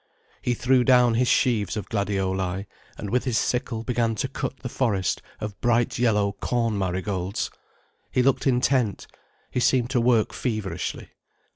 He threw down his sheaves of gladioli, and with his sickle began to cut the forest of bright yellow corn marigolds. He looked intent, he seemed to work feverishly.